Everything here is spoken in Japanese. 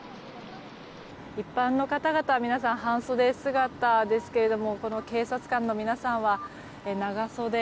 一般の方々は半袖姿ですけども警察官の皆さんは長袖。